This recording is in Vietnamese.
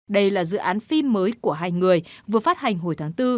đây là dự án phim mới của hai người vừa phát hành hồi tháng bốn